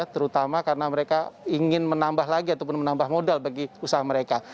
terutama karena mereka ingin menambah lagi ataupun menambah modal bagi usaha mereka